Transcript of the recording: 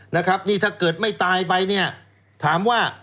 นี่ถ้าเกิดไม่ตายไปนี่ถามว่า